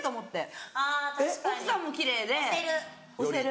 奥さんも奇麗で推せる。